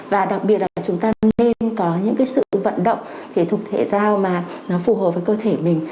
và đặc biệt là chúng ta nên có những cái sự vận động thể thục thể giao mà nó phù hợp với cơ thể mình